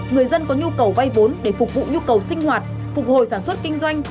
người dân có nhu cầu vay vốn để phục vụ nhu cầu sinh hoạt phục hồi sản xuất kinh doanh